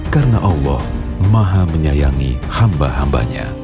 karena allah maha menyayangi hamba hambanya